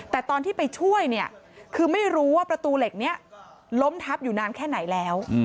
แต่ตอนที่ไปช่วยเนี่ยคือไม่รู้ว่าประตูเหล็กนี้ล้มทับอยู่นานแค่ไหนแล้ว